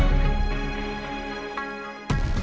mas surya ada di mana